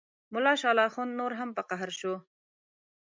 ملا شال اخند نور هم په قهر شو.